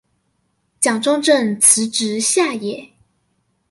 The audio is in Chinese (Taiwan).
蔣中正辭職下野